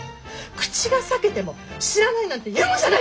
口が裂けても「知らない」なんて言うもんじゃないよ！